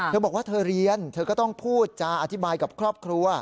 เธอบอกว่าเธอเรียนเธอก็ต้องพูดจาอธิบายกับครอบครัว